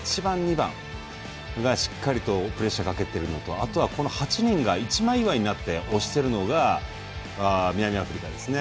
画面手前の１番、２番がしっかりとプレッシャーをかけているのとあとは８人が一枚岩になって押しているのが南アフリカですね。